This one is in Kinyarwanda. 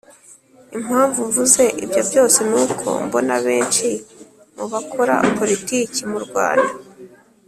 impamvu mvuze ibyo byose ni uko mbona benshi mubakora politiki mu rwanda,